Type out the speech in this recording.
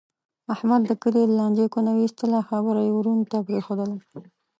احمد د کلي له لانجې کونه و ایستله. خبره یې ورڼو ته پرېښودله.